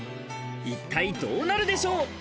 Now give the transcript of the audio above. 一体どうなるでしょう？